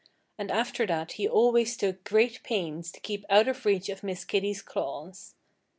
And after that he always took great pains to keep out of reach of Miss Kitty's claws.